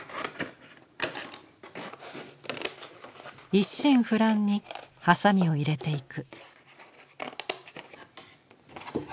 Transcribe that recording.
一心不乱にハサミを入れていく。